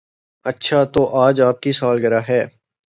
اچھا تو آج آپ کی سالگرہ ہے